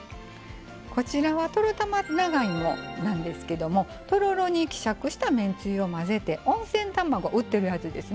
こちらはトロたま長芋なんですけどもとろろに希釈しためんつゆを混ぜて温泉卵売ってるやつですね